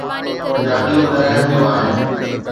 گاڏيون نه رهنديون آهن.